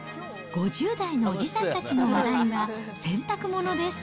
５０代のおじさんたちの話題は洗濯物です。